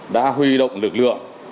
đã huy động lực lượng